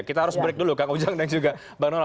kita harus break dulu kang ujang dan juga bang noel